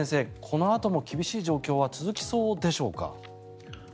このあとも厳しい状況は続きそうでしょうか？